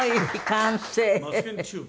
完成。